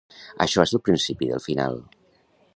Això va ser el principi del final.